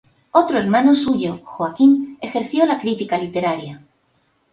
Otro hermano suyo, Joaquín, ejerció la crítica literaria.